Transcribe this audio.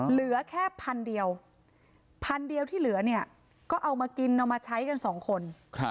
เหลือแค่พันเดียวพันเดียวที่เหลือเนี่ยก็เอามากินเอามาใช้กันสองคน